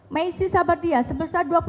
macy sabarani sebesar rp dua ratus tiga